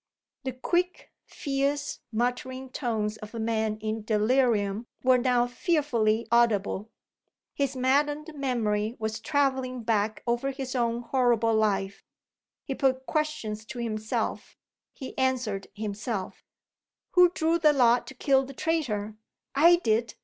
The quick, fierce, muttering tones of a man in delirium were now fearfully audible. His maddened memory was travelling back over his own horrible life. He put questions to himself; he answered himself: "Who drew the lot to kill the traitor? I did!